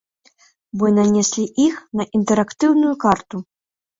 Мы нанеслі іх на інтэрактыўную карту.